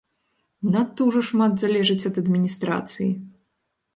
Надта ўжо шмат залежыць ад адміністрацыі.